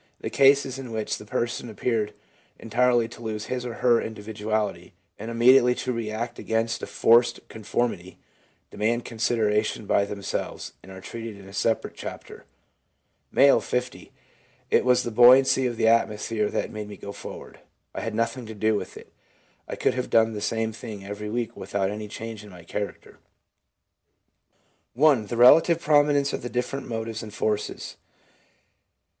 The cases in which the person appeared entirely to lose his or her individuality, and immediately to react against a forced conformity, demand consideration by them selves, and are treated in a separate chapter. M., 50. ' It was the buoyancy of the atmosphere that made me go forward ; I had nothing to do with it. I could have done the same thing every week without any change in my character/ 1. The Relative Prominence of the Different Motives and Forces.